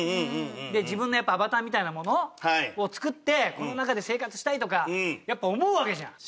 自分のやっぱアバターみたいなものを作ってこの中で生活したいとかやっぱ思うわけじゃん。